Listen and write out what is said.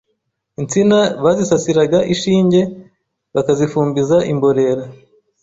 Insina bazisasiraga ishinge bakazifumbiza imborera